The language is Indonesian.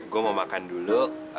gue mau makan dulu